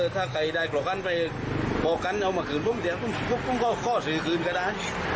ถ้าใครได้คลกกันไปบอกกันเอามาคืนพวกเถียงพวกมันก็คืนก็ได้